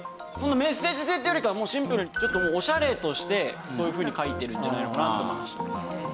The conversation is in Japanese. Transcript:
メッセージ性っていうよりかはもうシンプルにちょっとオシャレとしてそういうふうに描いてるんじゃないのかなって思いました。